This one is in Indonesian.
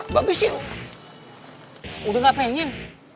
mba be sih udah gak pengen